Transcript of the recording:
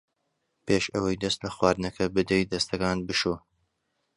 پێش ئەوەی دەست لە خواردنەکە بدەیت دەستەکانت بشۆ.